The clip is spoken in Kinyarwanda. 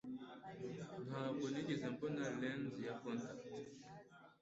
Ntabwo nigeze mbona lens ya contact